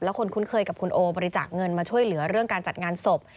คนคุ้นเคยกับคุณโอบริจาคเงินมาช่วยเหลือเรื่องการจัดงานศพ